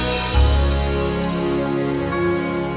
ologia ini berusaha untuk dip tc while